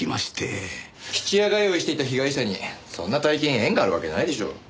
質屋通いしていた被害者にそんな大金縁があるわけないでしょ。